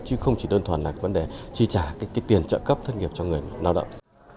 chứ không chỉ đơn thuần là vấn đề chi trả tiền trợ cấp thất nghiệp cho người lao động